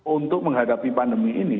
untuk menghadapi pandemi ini